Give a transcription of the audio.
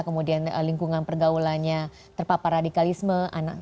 kemudian lingkungan pergaulannya terpapar radikalisme